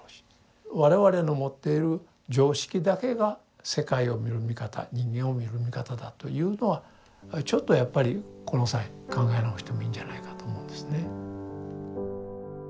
我々の持っている常識だけが世界を見る見方人間を見る見方だというのはちょっとやっぱりこの際考え直してもいいんじゃないかと思うんですね。